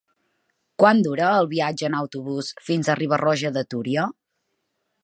Quant dura el viatge en autobús fins a Riba-roja de Túria?